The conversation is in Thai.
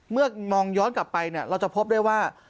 เมื่อมองย้อนกลับไปเราจะพบได้ว่า